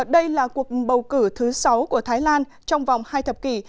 đây là cuộc bầu cử thứ sáu của thái lan trong vòng hai thập kỷ